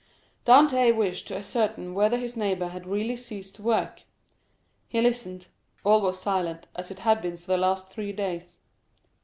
Dantès wished to ascertain whether his neighbor had really ceased to work. He listened—all was silent, as it had been for the last three days.